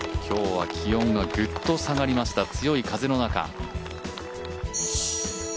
今日は気温がぐっと下がりました強い風の中。